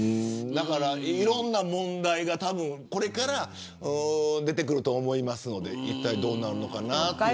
いろんな問題が多分これから出てくると思いますのでいったい、どうなるのかなと。